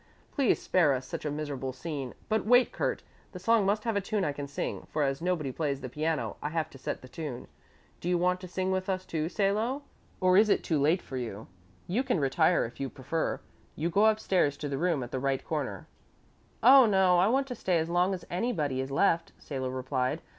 Please spare us such a miserable scene. But wait, Kurt! The song must have a tune I can sing, for as nobody plays the piano, I have to set the tune. Do you want to sing with us, too, Salo, or is it too late for you? You can retire if you prefer. You go upstairs to the room at the right corner." "Oh, no, I want to stay as long as anybody is left," Salo replied.